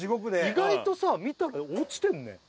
意外とさ見たら落ちてんね